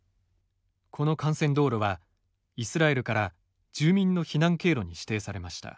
この幹線道路はイスラエルから住民の避難経路に指定されました。